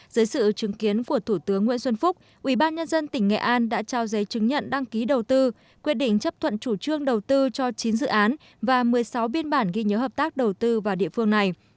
dưới sự chứng kiến của thủ tướng nguyễn xuân phúc ubnd tỉnh nghệ an đã trao giấy chứng nhận đăng ký đầu tư quyết định chấp thuận chủ trương đầu tư cho chín dự án và một mươi sáu biên bản ghi nhớ hợp tác đầu tư vào địa phương này